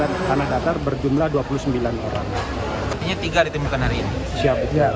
artinya tiga ditemukan hari ini